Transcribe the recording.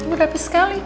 udah habis sekali